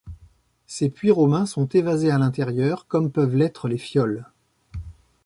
Ces puits romains sont évasés à l'intérieur, comme peuvent l'être les fioles.